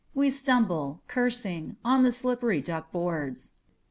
We stumble, cursing, on the slippery duck boards.